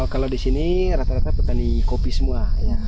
kalau di sini rata rata petani kopi semua